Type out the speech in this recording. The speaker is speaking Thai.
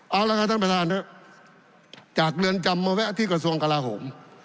เอาละครับท่านประธานจากเรือนจำมาแวะที่กระทรวงกลาโหม